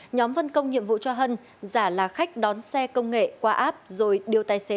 nhóm phân công nhiệm vụ cho hân giả là khách đón xe công nghệ qua app rồi điều tài xế